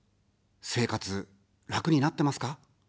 生活、楽になってますか。